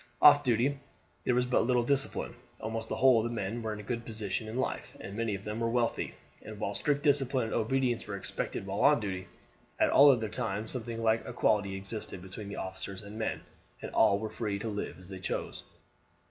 Off duty there was but little discipline. Almost the whole of the men were in a good position in life, and many of them very wealthy; and while strict discipline and obedience were expected while on duty, at all other times something like equality existed between officers and men, and all were free to live as they chose.